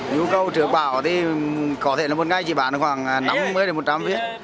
nhu cầu trở bảo thì có thể là một ngày chỉ bán khoảng năm mươi một trăm linh viên